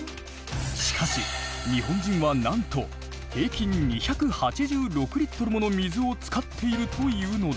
しかし日本人はなんと平均２８６リットルもの水を使っているというのだ。